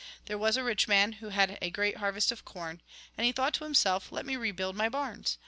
" There was a rich man, who had a great har vest of corn. And he thought to himself : Let me rebuild my barns.